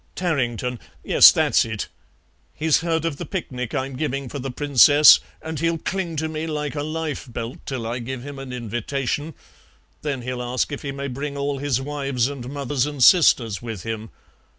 Tarrington yes, that's it. He's heard of the picnic I'm giving for the Princess, and he'll cling to me like a lifebelt till I give him an invitation; then he'll ask if he may bring all his wives and mothers and sisters with him.